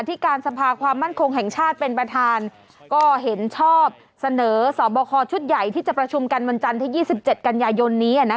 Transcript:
ที่การสภาความมั่นคงแห่งชาติเป็นประธานก็เห็นชอบเสนอสอบคอชุดใหญ่ที่จะประชุมกันวันจันทร์ที่๒๗กันยายนนี้